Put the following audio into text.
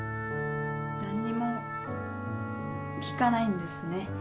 何にも聞かないんですね。